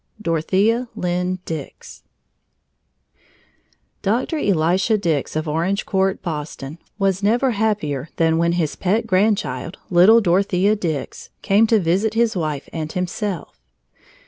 DOROTHEA LYNDE DIX Doctor Elisha Dix of Orange Court, Boston, was never happier than when his pet grandchild, little Dorothea Dix, came to visit his wife and himself.